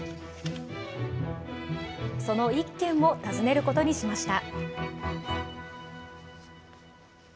その１軒を訪ねることにしました。